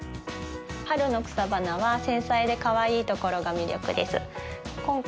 春の草花は繊細でかわいいところが魅力です。